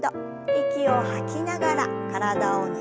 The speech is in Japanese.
息を吐きながら体をねじって。